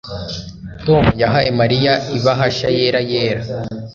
Tom yahaye Mariya ibahasha yera yera